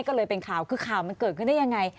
ก็เลยเป็นข่าวคือข่าวมันเกิดขึ้นได้ยังไง